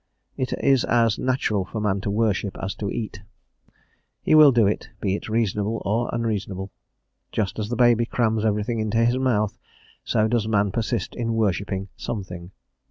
It is as natural for man to worship as to eat. He will do it, be it reasonable or unreasonable. Just as the baby crams everything into his mouth, so does man persist in worshipping something.